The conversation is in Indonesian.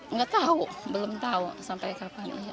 nggak tahu belum tahu sampai kapan